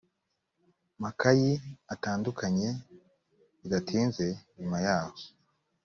makayi atandukanye bidatinze nyuma yaho